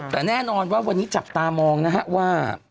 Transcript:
แต่แน่นอนว่าวันนี้จับตามองนะฮะว่า